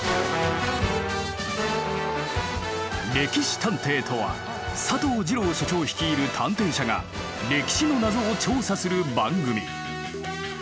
「歴史探偵」とは佐藤二朗所長率いる探偵社が歴史の謎を調査する番組。